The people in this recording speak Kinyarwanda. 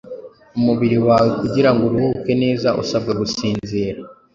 umubiri wawe kugirango uruhuke neza usabwa gusinzira.